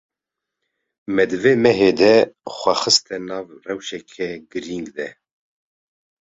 Me di vê mehê de xwe xiste nav rewşek girîng de.